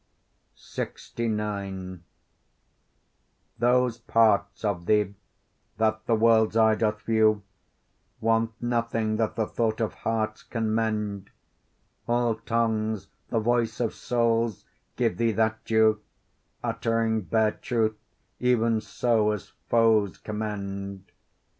LXIX Those parts of thee that the world's eye doth view Want nothing that the thought of hearts can mend; All tongues, the voice of souls, give thee that due, Uttering bare truth, even so as foes commend.